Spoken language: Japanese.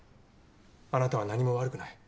あなたは何も悪くない。